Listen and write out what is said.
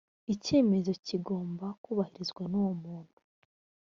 icyemezo kigomba kubahirizwa n uwo muntu